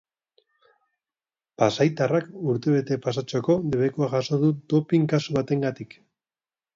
Pasaitarrak urtebete pasatxoko debekua jaso du dopping kasu batengatik.